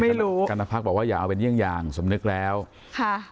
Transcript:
ไม่รู้กัณฑักบอกว่าอย่าเอาเป็นอย่างสมนึกแล้วค่ะ